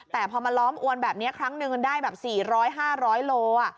แต่พอมาล้อมอวนแบบนี้ครั้งหนึ่งได้แบบ๔๐๐๕๐๐โล